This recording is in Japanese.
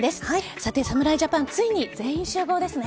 さて侍ジャパンついに全員集合ですね。